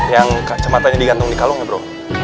yang kacamatanya digantung dikalung ya bro